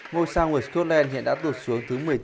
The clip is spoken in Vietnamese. ngôi sao người scotland hiện đã tụt xuống thứ một mươi chín